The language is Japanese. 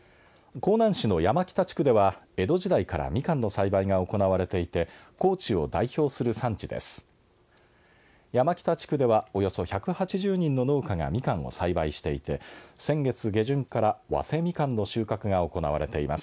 香南市の山北地区では江戸時代から、みかんの栽培が行われていて高知を代表する産地です。